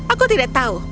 aku tidak tahu